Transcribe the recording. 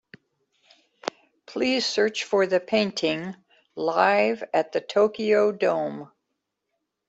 Please search for the painting Live at the Tokyo Dome.